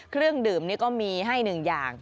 เครื่องดื่มนี่ก็มีให้หนึ่งอย่าง